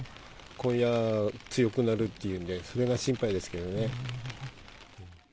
今夜、強くなるっていうんで、それが心配ですけれどもね。